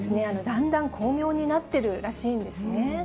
だんだん巧妙になっているらしいんですね。